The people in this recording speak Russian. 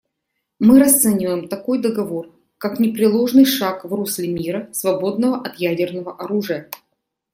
Мы расцениваем такой договор как непреложный шаг в русле мира, свободного от ядерного оружия.